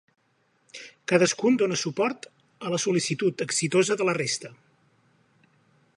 Cadascun dona suport a la sol·licitud exitosa de la resta.